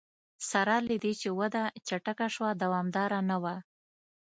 سره له دې چې وده چټکه شوه دوامداره نه وه.